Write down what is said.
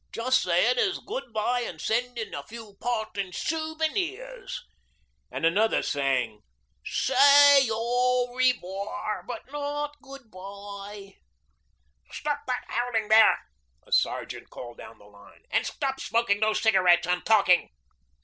'Just sayin' 'is good bye an' sendin' a few partin' sooveniers'; and another sang 'Say aw rev wore, but not good bye.' 'Stop that howling there,' a sergeant called down the line, 'and stop smoking those cigarettes and talking.'